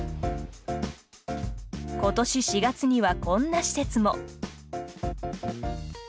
ことし４月には、こんな施設も。